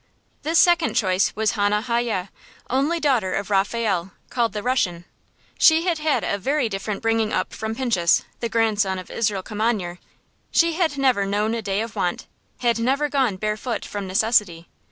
This second choice was Hannah Hayye, only daughter of Raphael, called the Russian. She had had a very different bringing up from Pinchus, the grandson of Israel Kimanyer. She had never known a day of want; had never gone barefoot from necessity.